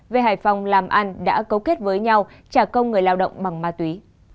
về hải phòng làm ăn đã cấu kết với nhau trả công người lao động bằng ma túy